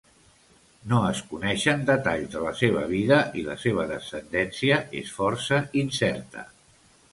No es coneixen detalls de la seva vida i la seva descendència és força incerta.